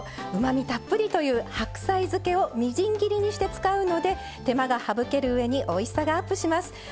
うまみたっぷりという白菜漬けをみじん切りにして使うので手間が省けるうえにおいしさがアップします。